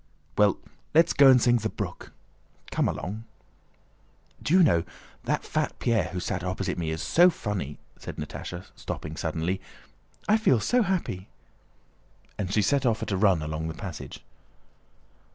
"Well, let's go and sing 'The Brook.'" "Come along!" "Do you know, that fat Pierre who sat opposite me is so funny!" said Natásha, stopping suddenly. "I feel so happy!" And she set off at a run along the passage.